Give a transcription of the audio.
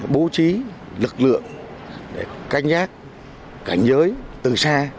bố trí lực lượng để canh giác cảnh giới từ xa